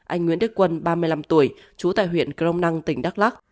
anh nguyễn đức quân ba mươi năm tuổi trú tại huyện crom năng tỉnh đắk lắc